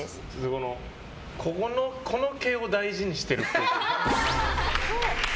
ここのこの毛を大事にしてるっぽい。